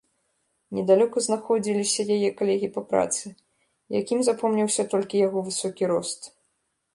Недалёка знаходзіліся яе калегі па працы, якім запомніўся толькі яго высокі рост.